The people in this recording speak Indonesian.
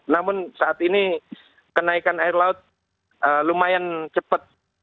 namun saat ini kenaikan air laut lumayan cepat